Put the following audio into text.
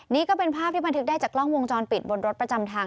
นี่ก็เป็นภาพที่บันทึกได้จากกล้องวงจรปิดบนรถประจำทาง